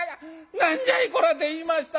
『何じゃいこら』って言いました！」。